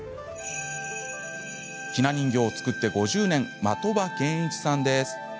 ひな人形を作って５０年的場健一さんです。